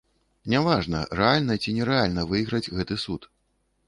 Не важна, рэальна, ці не рэальна выйграць гэты суд.